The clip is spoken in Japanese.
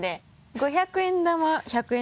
５００円玉１００円